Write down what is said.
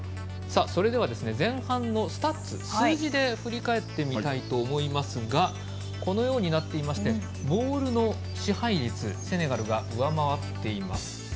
それでは前半戦のスタッツ、数字で振り返ってみたいと思いますがボール支配率セネガルが上回っています。